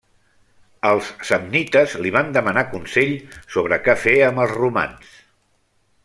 Els samnites li van demanar consell sobre que fer amb els romans.